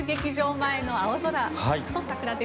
前の青空と桜です。